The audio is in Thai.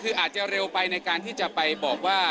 คืออาจจะเร็วไปในการที่จะไปบอกว่า